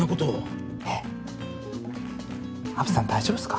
虻さん大丈夫っすか？